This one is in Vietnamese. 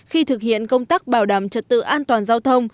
khi thực hiện công tác bảo đảm trật tự an toàn giao thông